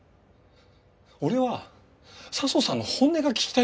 俺は佐相さんの本音が聞きたいんだよ